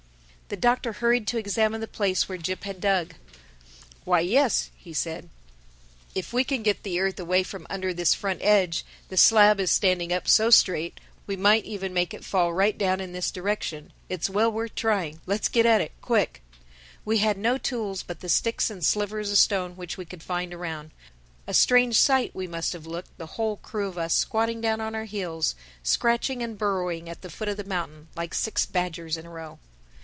The Doctor hurried to examine the place where Jip had dug. "Why, yes," he said, "if we can get the earth away from under this front edge, the slab is standing up so straight, we might even make it fall right down in this direction. It's well worth trying. Let's get at it, quick." We had no tools but the sticks and slivers of stone which we could find around. A strange sight we must have looked, the whole crew of us squatting down on our heels, scratching and burrowing at the foot of the mountain, like six badgers in a row.